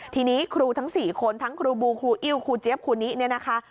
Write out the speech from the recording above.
ทีนี้ครูทั้ง๔คนทั้งครูบูครูอิ้วครูเจี๊ยบครูนิเนี่ยนะคะ